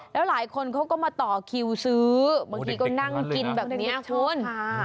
แล้วหลายคนเขาก็มาต่อคิวซื้อบางทีก็นั่งกินแบบนี้คุณ